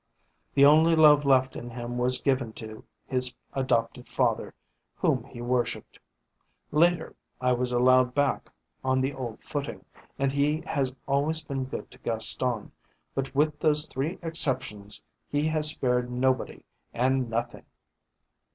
The only love left in him was given to his adopted father, whom he worshipped. Later I was allowed back on the old footing, and he has always been good to Gaston, but with those three exceptions he has spared nobody and nothing.